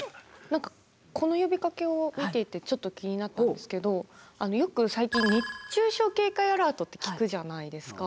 何かこの呼びかけを見ていてちょっと気になったんですけどよく最近熱中症警戒アラートって聞くじゃないですか。